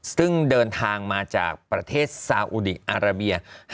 ซึ่งเดินทางมาจากประเทศซาอุดีอาราเบีย